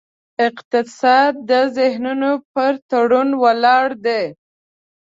اقتصاد د ذهنونو پر تړون ولاړ دی.